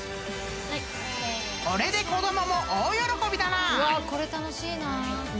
［これで子供も大喜びだな］